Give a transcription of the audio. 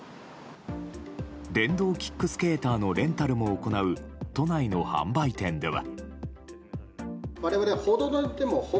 電動キックスケーターのレンタルも行う都内の販売店では。